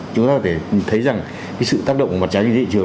chúng ta có thể thấy rằng cái sự tác động của mặt trái trên thị trường